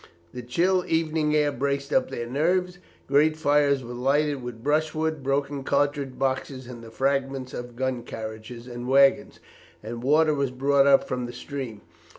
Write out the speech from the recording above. The chill evening air braced up their nerves; great fires were lighted with brushwood, broken cartridge boxes, and the fragments of gun carriages and waggons; and water was brought up from the stream.